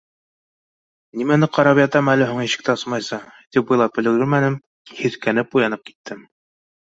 Нимәне ҡарап ятам һуң әле ишекте асмайса, — тип уйлап та өлгөрмәнем, һиҫкәнеп уянып киттем.